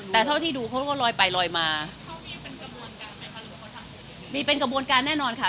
แต่เท่าที่ดูเขาก็ลอยไปลอยมาเขามีเป็นกระบวนการแน่นอนค่ะ